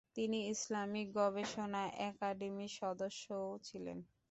তিনি ইসলামিক গবেষণা একাডেমির সদস্যও ছিলেন।